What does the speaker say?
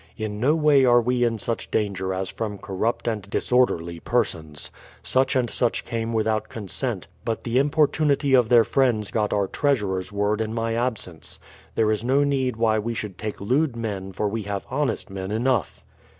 ... In no way are we in such danger as from corrupt and disorderly per sons. Such and such came without consent; but the importunity of their friends got our Treasurer's word in my absence. There is no need why we should take lewd men for we have honest men enough.